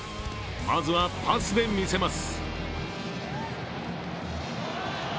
まずはパスで見せます。